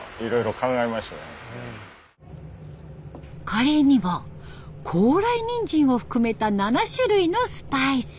カレーには高麗にんじんを含めた７種類のスパイス。